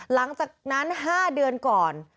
หลังจากนั้น๕เดือนก่อน